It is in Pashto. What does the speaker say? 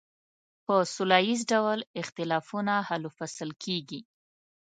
په سوله ایز ډول اختلافونه حل و فصل کیږي.